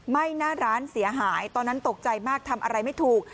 หน้าร้านเสียหายตอนนั้นตกใจมากทำอะไรไม่ถูก